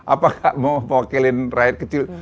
apakah mau mewakilin rakyat kecil